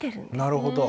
なるほど。